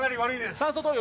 酸素投与